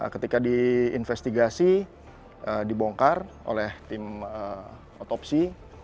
ketika diinvestigasi dibongkar oleh tim otopsi